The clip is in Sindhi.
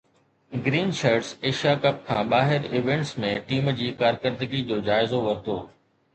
گرين شرٽس ايشيا ڪپ کان ٻاهر ايونٽس ۾ ٽيم جي ڪارڪردگي جو جائزو ورتو